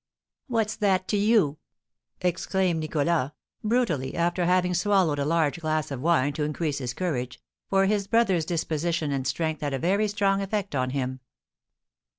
"What's that to you?" exclaimed Nicholas, brutally, after having swallowed a large glass of wine to increase his courage, for his brother's disposition and strength had a very strong effect on him.